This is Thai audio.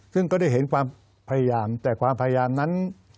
ซึ่งก็ได้เห็นความพยายามแต่ความพยายามนั้น